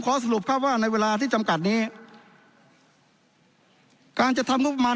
สรุปครับว่าในเวลาที่จำกัดนี้การจัดทำงบประมาณ